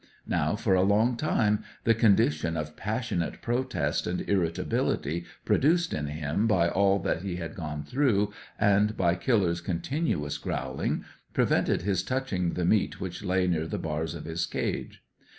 Now for a long time the condition of passionate protest and irritability produced in him by all that he had gone through, and by Killer's continuous growling, prevented his touching the meat which lay near the bars of his cage.